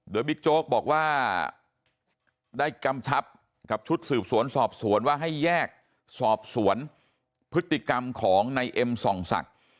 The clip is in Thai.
โดยบิ๊กโจ๊กบอกว่าได้กำชับกับชุดสืบสวนสอบสวนว่าให้แยกสอบสวนพฤติกรรมของในเอ็มส่องศักดิ์